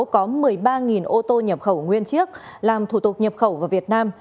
có một mươi ba ô tô nhập khẩu nguyên chiếc làm thủ tục nhập khẩu vào việt nam